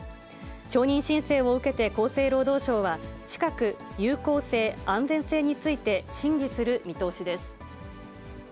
承認申請を受けて、厚生労働省は、近く有効性、安全性について審議する見通しです。